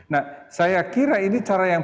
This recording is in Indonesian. nah saya kira ini cara yang